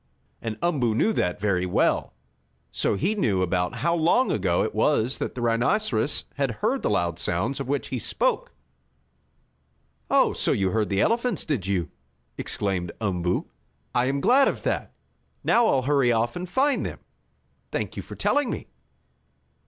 And Umboo knew that very well, so he knew about how long ago it was that the rhinoceros had heard the loud sounds of which he spoke. "Oh, so you heard the elephants, did you?" exclaimed Umboo. "I am glad of that. Now I'll hurry off and find them. Thank you for telling me."